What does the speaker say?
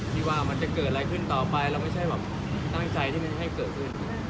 ที่ว่ามันจะเกิดอะไรขึ้นต่อไปเราไม่ใช่แบบตั้งใจที่มันจะให้เกิดขึ้น